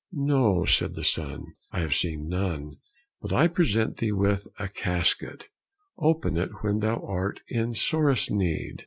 "No," said the sun, "I have seen none, but I present thee with a casket, open it when thou art in sorest need."